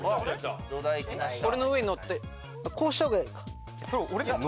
これの上に乗ってこうした方がいいか。